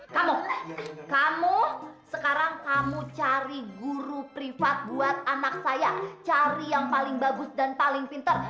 kamu kamu sekarang kamu cari guru privat buat anak saya cari yang paling bagus dan paling pinter